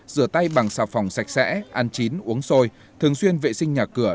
rửa tay bằng xà phòng sạch sẽ ăn chín uống xôi thường xuyên vệ sinh nhà cửa